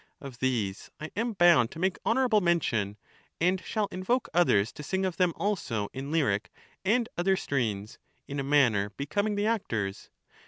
Of these I am bound to make honourable mention, and shall invoke others to sing of them also in lyric and other strains, in a manner becoming the actors.